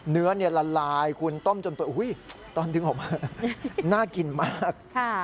เนื้อละลายคุณต้มจนตอนดึงออกมาน่ากินมาก